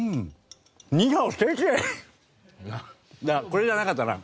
これじゃなかったな。